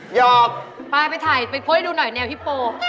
หอกไปไปถ่ายไปโพสต์ให้ดูหน่อยแนวฮิปโป